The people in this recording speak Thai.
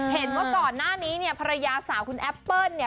เห็นว่าก่อนหน้านี้เนี่ยภรรยาสาวคุณแอปเปิ้ลเนี่ย